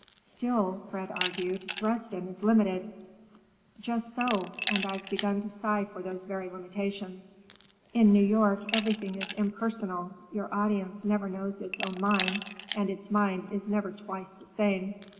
"Still," Fred argued, "Dresden is limited." "Just so, and I've begun to sigh for those very limitations. In New York everything is impersonal. Your audience never knows its own mind, and its mind is never twice the same.